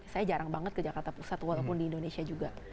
saya jarang banget ke jakarta pusat walaupun di indonesia juga